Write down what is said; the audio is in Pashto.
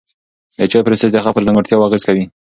د چای پروسس د هغه پر ځانګړتیاوو اغېز کوي.